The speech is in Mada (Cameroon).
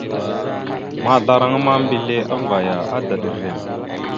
Maazlaraŋa ma, mbelle avvaya, adaɗ rrem.